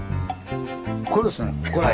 これですねこれ。